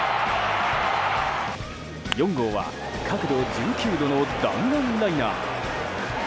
４号は角度１９度の弾丸ライナー。